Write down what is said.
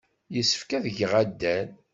Yessefk ad geɣ addal.